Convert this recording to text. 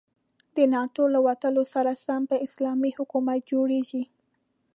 د ناتو له وتلو سره سم به اسلامي حکومت جوړيږي.